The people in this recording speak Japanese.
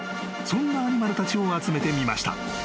［そんなアニマルたちを集めてみました］